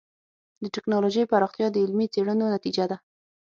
د ټکنالوجۍ پراختیا د علمي څېړنو نتیجه ده.